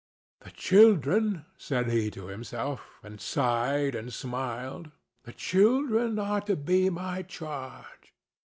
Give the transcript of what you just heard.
"The children," said he to himself, and sighed and smiled—"the children are to be my charge."